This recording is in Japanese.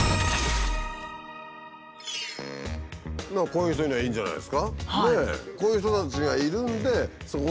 こういう人にはいいんじゃないですかねえ！